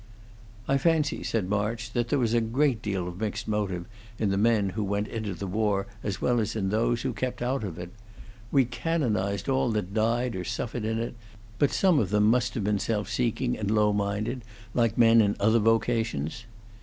"I fancy," said March, "that there was a great deal of mixed motive in the men who went into the war as well as in those who kept out of it. We canonized all that died or suffered in it, but some of them must have been self seeking and low minded, like men in other vocations."